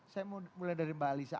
saya mau mulai dari mbak alisa